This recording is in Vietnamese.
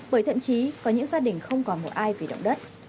bởi thậm chí có những gia đình không còn một ai vì động đất